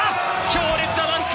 強烈なダンク！